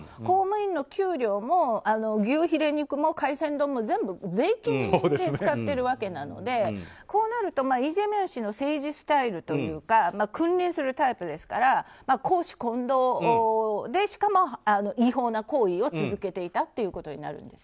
公務員の給料も牛ヒレ肉も海鮮丼も全部税金で使ってるわけなのでこうなると、イ・ジェミョン氏の政治スタイルというか君臨するタイプですから公私混同で、しかも違法な行為を続けていたということになって。